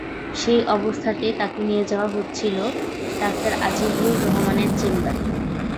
সেই অবস্থাতেই তাকে নিয়ে যাওয়া হচ্ছিল ডাক্তার আজিজুর রহমানের চেম্বারে।